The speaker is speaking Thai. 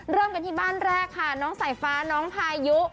เริ่มกันที่บ้านแรกค่ะน้องสายฟ้าน้องพายุ